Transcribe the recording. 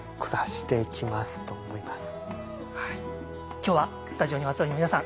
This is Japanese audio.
今日はスタジオにお集まりの皆さん